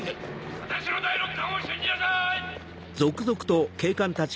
私の第六感を信じなさい！